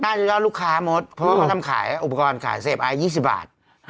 น่าจะยอดลูกค้าหมดเพราะอุปกรณ์ขายเสพไอ๒๐บาท